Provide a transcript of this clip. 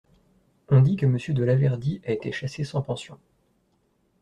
On dit que Monsieur de Laverdy a été chassé sans pension.